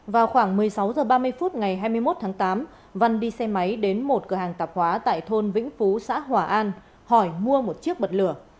vào khoảng một mươi sáu h ba mươi phút ngày hai mươi một tháng tám văn đi xe máy đến một cửa hàng tạp hóa tại thôn vĩnh phú xã hòa an hỏi mua một chiếc bật lửa